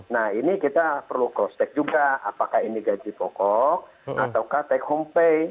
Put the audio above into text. nah ini kita perlu cross check juga apakah ini gaji pokok atau take home pay